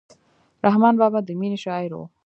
رحمان بابا د مینې شاعر و.